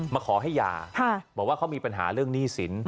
มาขอให้หย่าบอกว่าเขามีปัญหาเรื่องหนี้สิน